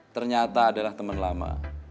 ternyata adalah teman lama